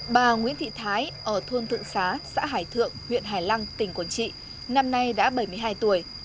bà nguyễn thị thái ở thôn thượng xá xã hải thượng huyện hải lăng tỉnh quảng trị năm nay đã bảy mươi hai tuổi